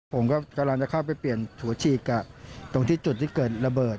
ผมก็กำลังจะเข้าไปเปลี่ยนถั่วฉีกตรงที่จุดที่เกิดระเบิด